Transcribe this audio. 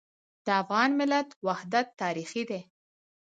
د افغان ملت وحدت تاریخي دی.